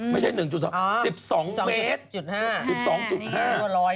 ไม่ใช่๑๒๑๒เมตร